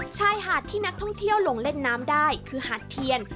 ชายหาดที่นักท่องเที่ยวลงเล่นน้ำได้คือหาดเทียน